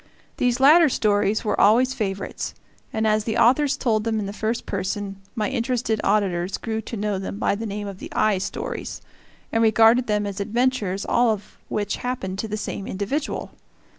These latter stories were always favorites, and as the authors told them in the first person, my interested auditors grew to know them by the name of the "I" stories, and regarded them as adventures all of which happened to the same individual.